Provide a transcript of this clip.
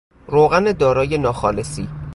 روغن دارای ناخالصی